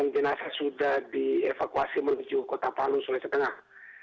jenazah sudah dievakuasi menuju kota palu sulawesi tengah